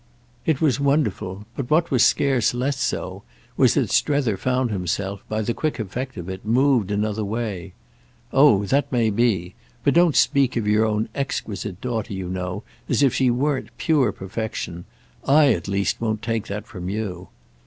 It was wonderful, but what was scarce less so was that Strether found himself, by the quick effect of it, moved another way. "Oh that may be! But don't speak of your own exquisite daughter, you know, as if she weren't pure perfection. I at least won't take that from you.